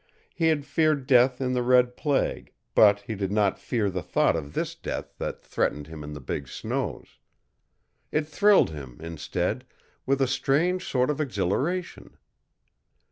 He had feared death in the red plague, but he did not fear the thought of this death that threatened him in the big snows. It thrilled him, instead, with a strange sort of exhilaration.